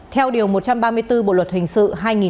theo điều một trăm ba mươi bốn bộ luật hình sự